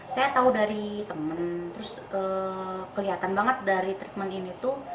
saya tahu dari temen terus kelihatan banget dari treatment ini tuh